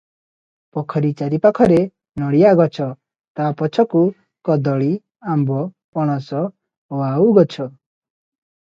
ପୋଖରୀ ଚାରିପାଖରେ ନଡ଼ିଆ ଗଛ, ତା ପଛକୁ କଦଳୀ, ଆମ୍ବ, ପଣସ, ଓଆଉ ଗଛ ।